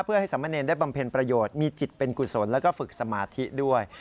เพื่อให้สามเณรได้บำเพ็ญประโยชน์มีจิตเป็นกุศลแล้วก็ฝึกสมาธิด้วย